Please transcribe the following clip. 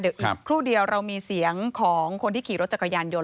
เดี๋ยวอีกครู่เดียวเรามีเสียงของคนที่ขี่รถจักรยานยนต